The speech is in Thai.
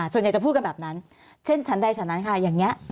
ส่วนใหญ่จะพูดกันแบบนั้นเช่นชั้นใดฉันนั้นค่ะอย่างนี้